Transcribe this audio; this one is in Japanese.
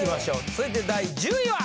続いて第１０位は！